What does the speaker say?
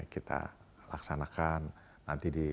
kita laksanakan nanti di